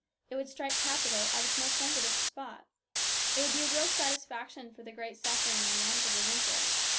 It would strike capital at its most sensitive spot. It would be a real satisfaction for the great suffering and want of the winter.